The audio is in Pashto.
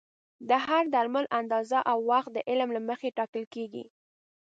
د هر درمل اندازه او وخت د علم له مخې ټاکل کېږي.